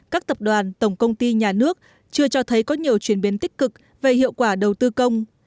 các tập đoàn tổng công ty nhà nước chưa cho thấy có nhiều chuyển biến tích cực về hiệu quả đầu tư công